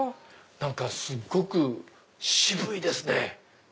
何かすっごく渋いですね。